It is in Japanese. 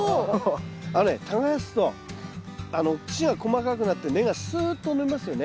あのね耕すと土が細かくなって根がすっと伸びますよね。